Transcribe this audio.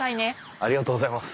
ありがとうございます。